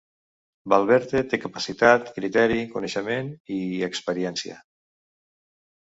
Valverde té capacitat, criteri, coneixement i experiència.